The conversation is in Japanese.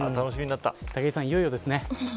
武井さん、いよいよですね。